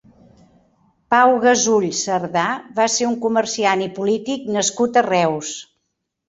Pau Gasull Sardà va ser un comerciant i polític nascut a Reus.